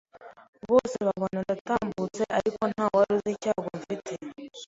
bose babona ndatambutse ariko nta waruzi icyago mfite